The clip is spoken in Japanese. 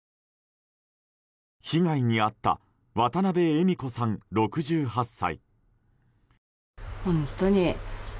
被害に遭った渡辺恵美子さん、６８歳。